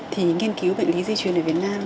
thì nghiên cứu bệnh lý di truyền ở việt nam